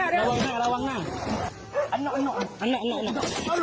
ระวังหน้าเร็ว